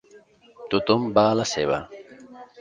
Tothom va a la seva.